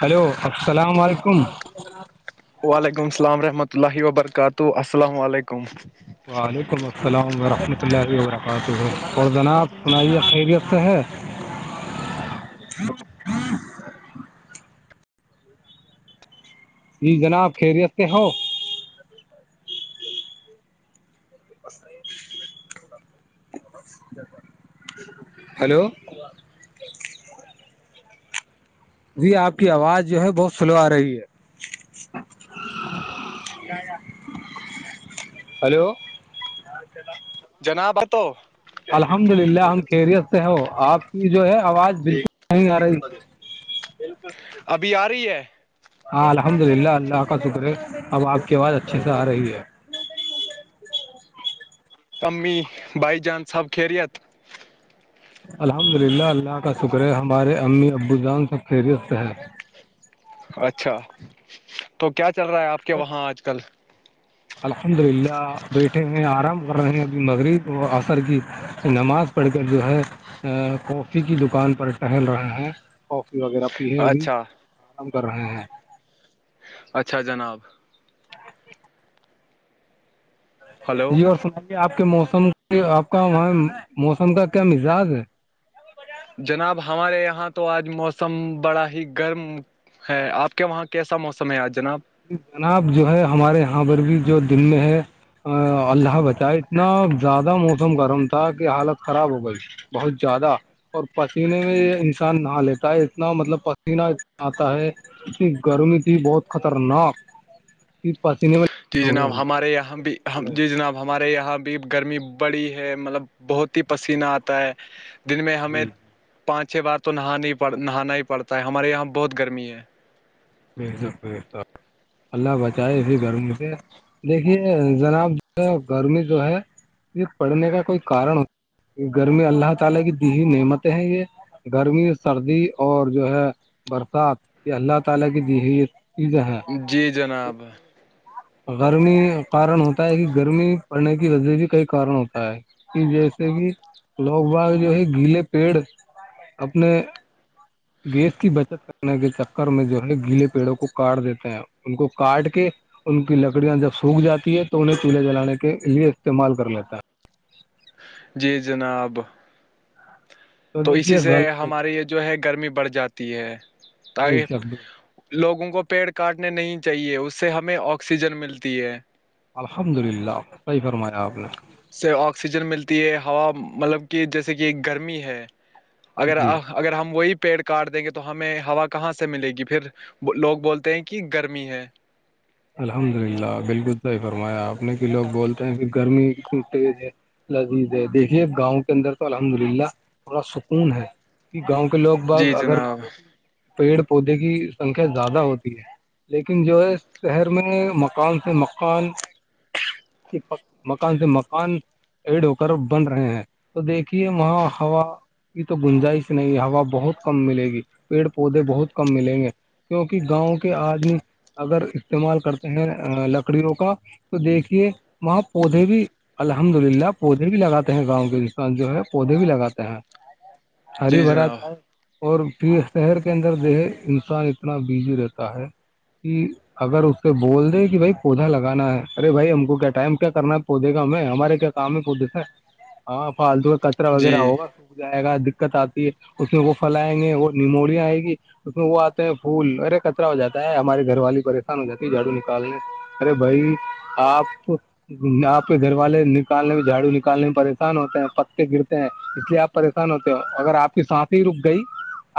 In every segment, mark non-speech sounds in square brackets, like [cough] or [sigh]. hello السلام علیکم وعلیکم السلام وحمۃ اللہ وبرکاتہ السلام علیکم وعلیکم السلام ورحمۃ اللہ وبرکاتہ اورور جناب سنایے خیریت سے ہے جی جناب خیریتیں ہو ہیلو جی آپ کی آواز جو ہے بہت سلو آ رہی ہے ہلو ا جناب تو الحمد للہ ہم خیریت سے ہو آپ کی جو ہے آواز بالکل نہیں آ رہی بالکل ابھی آ رہی ہے ہاں الحمد للہ اللہ کا شکر ہے اب آپ کی آواز اچھے سے آ رہی ہے کمی بائی جانس سب خریت الحمد للہ اللہ کا شکر ہے ہمارے امی ابو جان سے فہرست ہے اچھا تو کیا چل رہا ہے آپ کے اور وہاں آج کل الحمد للہ بیٹھے ہیں آرام کر رہے ہیں انی مغرب و عصر کی نماز پڑ کر جو ہے کافی کی دکان پر ٹہل رہے ہیں کافی وغیرہ یہ ہے ابھی اچھا آم کر رہے ہیں اچھا جناب ہلو جی اور سنائیے آپ کے موسم آپ کا وہاں موسم کا کیا مزاج ہے جناب ہمارے یہاں تو آج موسم بڑا ہی گرم ہے آپ کے وہاں کیسا موسم ہے آج جناب ج جناب جو ہے ہمارے یہاں پرر بھی جو دل میں ہے اللہہ بچائے اتنا زیادہ موسم گرم تھا کہ حالت خراب ہو گئی بہت زیادہ اور پسینے میں یہ انسان نہا لیتا ہے اتنا مطلب پسینہ انا آتا ہے انی گرمی تھی بہت خطرناک ت پسینے میں ہوئے ہم مارے ہمم بھی ہم جی جناب ہمارے یہاں بھی گرمی بڑی ہے مطلب بہت ہی پسینہ آتا ہے دن میں ہمیں جی پانچ چھ بار تو نہانا ہی پڑ نہانا ہی پڑتا ہے ہمارے یہاں بہت گرمی ہے [unintelligible] اللہ بچائے اسی گرمی سے دیکھیے جناب جو ہے گرمی جو ہے یہ پڑھنے کا کوئی کارن ہوتا گرمی اللہ تعالی کی دی نعمتیں ہیں یہ گرمی سردی اور جو ہے برسات یہ حلت تالی کی دی ہے جی جناب گرمی کارن ہوتا ہے کہ گرمی پڑنے کی وجہ بھی کئی کارن ہوتا ہے کہ جیسے کہ لوگ باگ جو ہے گیلے پیڑ اپنے گیس کی بچت کرنے کے چکر میں جو گیلے پیڑوں کو کاٹ دیتا ہے ان کو کاٹ کے ان کی لکڑیاں جب سوکھ جاتی ہے تو انہیں چولہے جلانے کے لیے استعمال کر لیتا ہے جی جناب تو دیکھیے اسی سے غلط ہماریے یہ جو ہے گرمی بڑھ جاتی ہے تاکہ ہے، لوگوں کو پیڑ کاٹنے نہیں چاہیے اس سے ہمیں آکسیجن ملتی ہے الحمد للہسا ہی فرمایا آپ نے سے آکسیجن ملتی ہے ہوا مطلب کہ جیسے کہ گرمی ہے اگر جی آ اگر ہم وہی پیڑ کاٹ دیں گے تو ہمیں ہوا کہاں سے ملے گی پھر لوگ بولتے ہیں کہ گرمی ہے الحمد للہ بالکل صحیح فرمایا آپنے کہ لوگ بولتے ہیں کہ گرمی ک ہے لذیذ ہے دیکھیے گاؤں کے اندر تو الحمد للہ پورا سکون ہے گاؤں کے لوگ باگ جی اگر جناب مانو تو پیڑ پودے کی سنکھیا زیادہ ہوتی ہے لیکن جو ہے شہر میں مکان سے مکان مکان سے مکان ایڈ ہو کر بن رہے ہیں تو دیکھیے وہاں ہوا یہ تو گنجائش نہیں ہوا بہت کم ملے گی پیڑ پودے بہت کم ملیں گے کیونکہ گاؤں کے آدمی اگر استعمال کرتے ہیں لکڑیوں کا تو دیکھیے وہاں پودے بھی الحمد للہ پودے بھی لگاتے ہیں گاؤں کے جو ہے پودے بھی لگاتے ہیں ہری جی برا جناب چ ہے اور پھر شہر کے اندر دہے انسان اتنا بزی رہتا ہے کہ اگر اس سے بول دے کہ بھائی پودا لگانا ہے ارے بائی ہم کو کیا ٹائم کیا کرنا ہے پودے کا ہمیں ہمارے کیا کام کو دیتے ہاں فالتو کا کچرا وغیرہ جی ہوگا سوکھ جائے گا دقت آتی ہے اس میں وہ پھیلیں گے وہ نیموریا آئے گی اس میں وہ آتے ہیں پھول ارے کطرا ہو جاتا ہے ہمارے گھر والی پر س جتی جھاڑو نکالنے ارے بھائی آپ آپ کے گھر والے نکالنے میں جھاڑو نکالنے میں پریشان ہوتے ہیں پتے گرتے ہیں اس لیے آپ پریشان ہوتے ہو اگر آپ کی سانس ہی رک گئی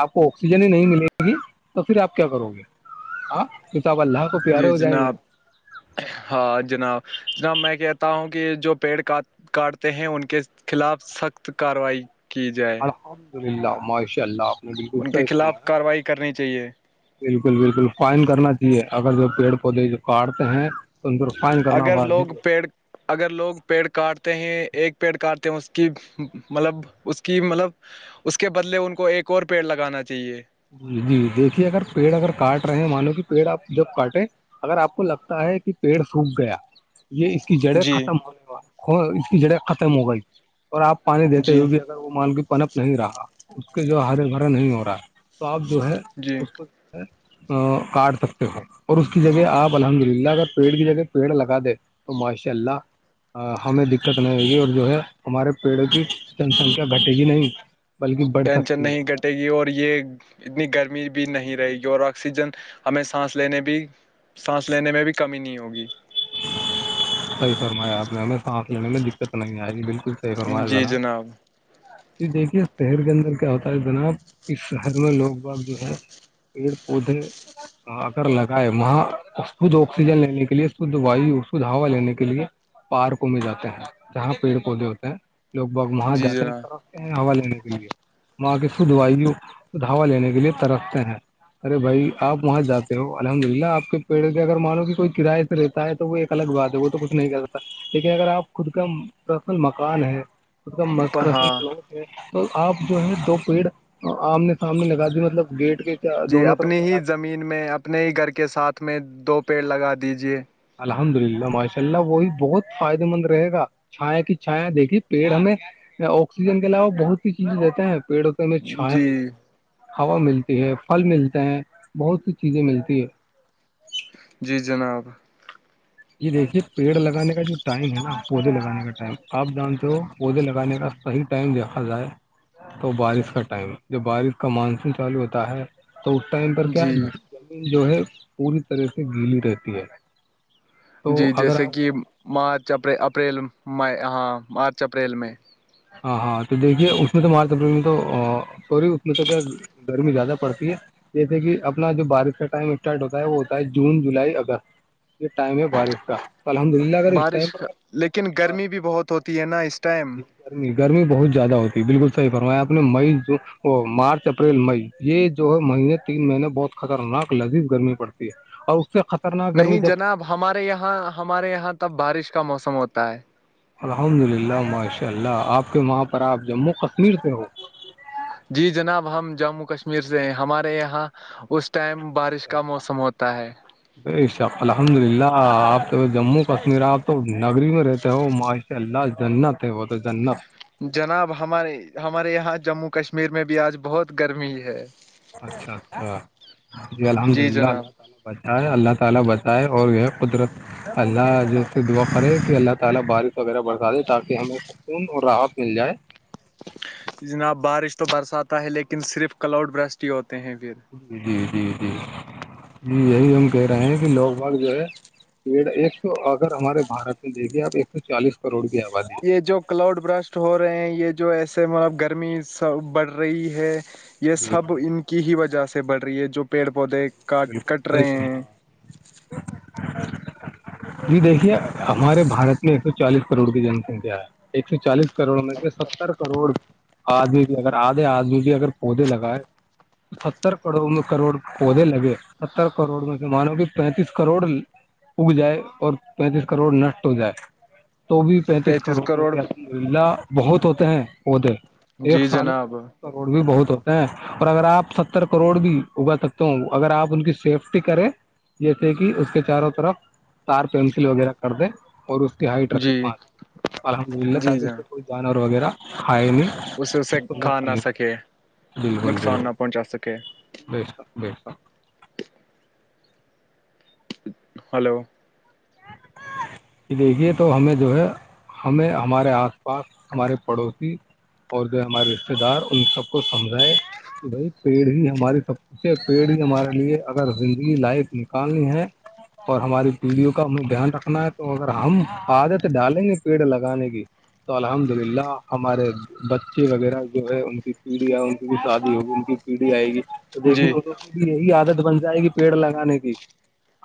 آپ کو آکسیجن ہی نہیں ملے گی تو پھر آپ کیا کرو گے ہاں کتاب اللہ کو پیارے جی ہو جائیں گے جناب نا ہاں جناب جناب میں کہتا ہوں کہ جو پیڑ کاٹ کاٹتے ہیں ان کے خلاف سخت کارروائی کی جائے الحمد للہ ماہشاء اللہ نے بالکل ان کے صحیح خلاف فرمایا کارروائی کرنی چاہیے بالکل بالکل قائم کرنا چاہیے اگر جو پیڑ پودے جو کاٹتے ہیں تور فائن کرنا اگر ہواازی لوگ ہے پیڑ اگر لوگ پیڑ کاٹتے ہیں ایک پیڑ کاٹتے ہیں اس کی مطلب اس کی مطلب اس کے بدلے ان کو ایک اور پیڑ لگانا چاہیے ج جی دیکھیے اگر پیڑ اگر کاٹ رہے ہیں مانو کہ پیڑ آپ جب کاٹے اگر آپ کو لگتا ہے کہ پیڑ سوکھ گیا یہ اس کی جڑیں جی ختم ہونے اس کی جڑیں ختم ہو گئی اور آپ پانی دیتے جی ہوئے بھی وہ مانوی پنپ نہیں رہا اس کے جو ہر بھرا نہیں ہو رہا ہے تو آپ جو ہے جی اس کو ہ کاٹ سکتے ہیں اور اس کی جگہ آپ الحمد للہ اگر پیڑ کی جگہ پیڑ لگا دیں تو ماشاء اللہ ہمیں دقت نہیں ہوگی اور جو ہے ہمارے پیڑوں کی جن سنکھیا گھٹے گی نہیں بلکہ بڑھ ٹینشن سکتی ہے نہیں ک ے گی اور یہ اتنی گرمی بھی نہیں رہے گی اور آکسیجن ہمیں سانس لینے بھی سانس لینے میں بھی کمی نہیں ہوگی صحیح فرمایا آپ نے ہمیں سانس لینے میں دقت نہیں آئے گی بالکل صحیح فرما جناب ج دیکھیے شہر کے اندر کیا ہوتا ہے جناب اس شہر میں لوگ بگ جو ہے پیڑ پودے اگر لگائے وہاں خود آکسیجن لینے کے لیے شھ واو اور شھ ہا لینے کے لیے پارکوں میں جاتے ہیں جہاں پیڑ پودے ہوتے ہیں لوگ بگ وہاں جی جاتے ہیں جناب طرفتے ہیں ہوا لینے کے لیے وہاں کی سد وائی سدھوا لینے کے لیے ترستے ہیں ارے بھائی آپ وہاں جاتے ہو الحمد للہ آپ کے پیڑے سے اگر مانو کہ کوئی کرایہ رہتا ہے تو وہ ایک الگ گا د وہ تو کچھ نہیں کرتا لیکن اگر آپ خود کا فصل مکان ہے خود کا مسو ہاں تو آپ جو ہے دو پیڑ آمنے سامنے لگا دی مطلب گیٹ کے جی دونوں اپنی طرف ہی لگا دیے زمین میں اپنے ہی گھر کے ساتھ میں دو پیڑ لگا دیجیے الحمد للہ ماشاء اللہ وہی بہت فائدے مند رہے گا چھایا کی چھایا دیکھیے پیڑ ہمیں آکسیجن کے علاوہ بہت سی چیزیں دیتے ہیں پیڑ چھایا جی ملتی ہے ہوا ملتی ہے پھل ملتے ہیں بہت سی چیزیں ملتی ہے جی جناب یہ دیکھیے پیڑ لگانے کا جو ٹائم ہے نا پودے لگانے کا ٹائم آپ جان تو پودے لگانے کا صحیح ٹائم دیکھا جائے تو بارش کا ٹائم جب بارش کا مانسون چالو ہوتا ہے تو اس ٹائم پر کیا جی زمین جو ہے پوری طرح سے گیلی رہتی ہے تو جی اگر جیسے آپ کہ مارچ اپ اپریل ہاں مارچ اپریل میں ہاں ہاں تو دیکھیے اس میں توارا تری تو سوری اس میں تو کیا گرمی زیادہ پڑتی ہے جیسے کہ اپنا جو بارش کا ٹائم اسٹارٹ ہوتا ہے وہ ہوتا ہے جون جولائی اگست یہ ٹائم ہے بارش کا الحمد اللہ بارش کا لیکن گرمی بھی بہت ہوتی ہے نا اس ٹائم جی گرمی گرمی بہت زیادہ ہوتی ہے بالکل صحیح فروا آپ نے مئی جو وہ مارچ اپریل مئی یہ جو ہے مہینے تین مہینے بہت خطرناک لذیذ گرمی پڑتی ہے [inaudible] سے خطرناک گرمی نہیں جب جناب ہمارے یہاں ہمارے یہاں تب بارش کا موسم ہوتا ہے الحمد للہ ماشاء اللہ آپ کے وہاں پر آپ جموں کشمیر سے ہ جی جناب ہم جموں کشمیر سے ہمارے یہاں اس ٹائم بارش کا موسم ہوتا ہے ا الحمد للہ آپ تو جموں کشمیر آپ تو نگری میں رہتے ہوش اللہ جنت ہے وہ تو جنت جناب ہمارے ہمارے یہاں جموں کشمیر میں بھی آج بہت گرمی ہے اچھا اچھا جی الحمد اللہ اللہ تعالی اللہ تعالی بتائیں اور قدرت اللہ سے دعا کریں کہ اللہ تعالی بارک وغیرہ برکا دے تاکہ ہم سکون اور راحت مل جائے جناب بارش تو برساتا ہے لیکن صرف کلاؤڈ برسٹ ہی ہوتے ہیں پھر جی جی جی جی جی یہی ہم کہہ رہے ہیں کہ لوگ بھگ جو ہے پیڑ ایک سو اگر ہمارے بھارت میں دیکھیے آپ ایک سو چالیس کروڑ گیا یہ جو کلاؤڈ براسٹ ہو رہے ہیں یہ جو ایسے مطلب گرمی س بڑھ رہی ہے یہ جی جی سب ان کی ہی وجہ سے بڑھ رہی ہے جو پیڑ پودے کاٹ کٹ رہے بالکل ہیں جی دیکھیے ہمارے بھارت میں ایک سو چالیس کروڑ کی جن سنکھیا ہے ایک سو چالیس کروڑ میں ستر کروڑ آجمیی اگر آھے آو جی اگر پودے لگائے ستر کروڑ کروڑ پودے لگے ستر کروڑ میں سے مانو کہ پینتیس کروڑ اگ جائے اور پینتیس کروڑ نشٹ ہو جائے تو بھی پینتیس کروڑ لہ بہت ہوتے ہیں پودے ایک جی سال جناب ہے کروڑ بھی بہت ہوتے ہیں اور اگر آپ ستر کروڑ بھی اگا سکتے ہو اگر آپ ان کی سیفٹی کرے جیسے کہ اس کے چاروں طرف تار پینسل وغیرہ کر دے اور اس کی ہائٹ رکھے جی پانچ الحمد للہ جی تاکہ اس جناب تھئی جانور وغیرہ ہائے نہیں اسے اسے اس کو کھا نشٹ نہ نہیں سکے نقصان نہ پہنچا سکے بس بیسا ہلو [unintelligible] کہ دیکھیے تو ہمیں جو ہے ہمیں ہمارے آس پاس ہمارے پڑوسی اور جو ہمارے رشتے دار ان سب کو سمجھائے کہ بھائی پیڑ ہی ہماریے سب اسے پیڑی ہمارے لیے اگر زندگی لائف نکالنی ہے اور ہماراری پیڑھیوں کا ہمیں دھیان رکھنا ہے تو اگر ہم عادت ڈالیں گے پیڑ لگانے کی تو الحمد للہ ہمارے بچے وغیرہ جو ہے ان کی پیڑھیاں ان کی بھی شادی ہوگی ان کی پیڑھی آئے گی تو دیکے جی وہو کی بھی یہی عادت بن جائے گی پیڑ لگانے کی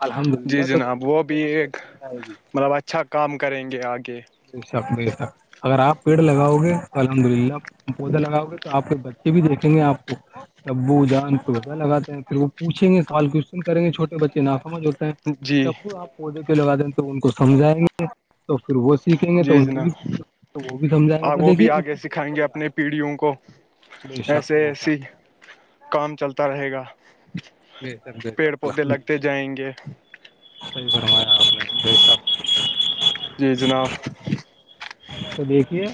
الحمد جی للہ جناب وہ بھی توے مطلب اچھا کام کریں گے آگے بے شق بے شک اگر آپ پیڑ لگاؤ گے تو الحمد للہ پودا لگاؤ گے تو آپ کے بچ بھی دیکھیں گے آپ کو تبو جان تو پت لگا ہے پھر وہ پوچیں گے سوال کوشچن کریں گے چھوٹے بچے ناکمج ہوتے جی کہ ابو آپ پودے پ لگا دیں تو ان کو سمجھائیں گے تو پھر وہ سیکھیں گے تو جی ان کی بھی جناب وہ بھی سمھائیں گے تو دیکھیے اس اپنی پیڑھیوں کو بے شک ایسے بے شک ایسی کام چلتا رہے گا بے شک بے شک پیڑ پودے لگتے جائیں گے صحی فرمایا آپ نے دس جی جناب تو دیکھیے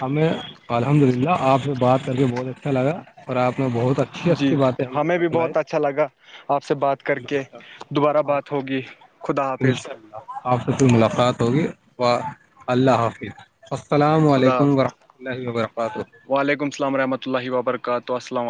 ہمیں الحمد للہ آپ سے بات کر کے بہت اچھا لگا اور آپ نے بہت اچھی جی اچھی باتیں ہمیں بھی بتلائی بہت اچھا لگا آپ سے بات کر کے دوبارہ بات الحمد ہوگی للہ خدا حافظ انشاء اللہ آپ سے ملاقات ہوگی و اللہ حافظ السلام خدا علیکم حافظ ورحمۃ اللہ وبرکاتہ وعلیکم السلام ورحمۃ اللہ وبرکاتہ السلام